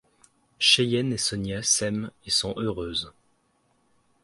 Cheyenne et Sonia s'aiment et sont heureuses.